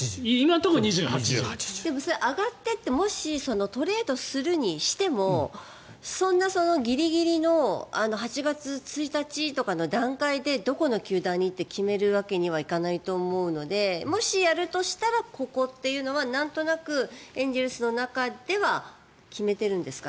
それ、上がっていってもし、トレードするにしてもそんなギリギリの８月１日とかの段階でどこの球団にって決めるわけにはいかないと思うのでもしやるとしたらここというのは、なんとなくエンゼルスの中では決めてるんですか？